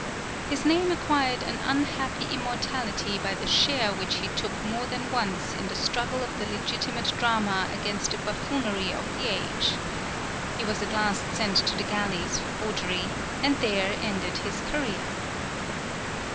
His name acquired an unhappy immortality by the share which he took more than once in the struggle of the legitimate drama against the buffoonery of the age. He was at last sent to the galleys for forgery, and there ended his career.